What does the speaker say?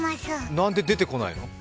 なんで出てこないの？